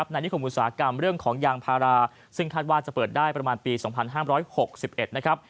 นิคมอุตสาหกรรมเรื่องของยางพาราซึ่งคาดว่าจะเปิดได้ประมาณปี๒๕๖๑นะครับ